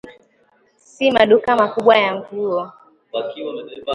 Si maduka makubwa ya nguo